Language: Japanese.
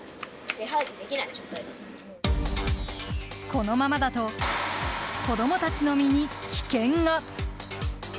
このままだと子供たちの身に危険が。